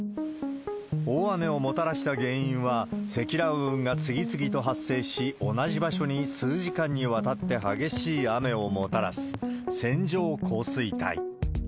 大雨をもたらした原因は、積乱雲が次々と発生し、同じ場所に数時間にわたって激しい雨をもたらす、線状降水帯。